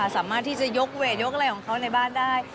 สามารถที่จะยกเวทยกอะไรของเขาในบ้านได้